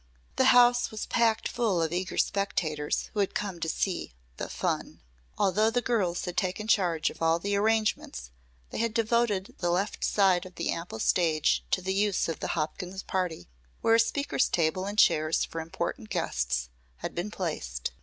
The house was packed full of eager spectators who had come to see "the fun." Although the girls had taken charge of all the arrangements they had devoted the left side of the ample stage to the use of the Hopkins party, where a speaker's table and chairs for important guests had been placed.